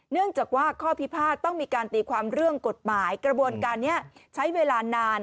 เนื่องจากว่าข้อพิพาทต้องมีการตีความเรื่องกฎหมายกระบวนการนี้ใช้เวลานาน